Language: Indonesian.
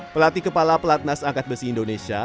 pelatih kepala pelatnas angkat besi indonesia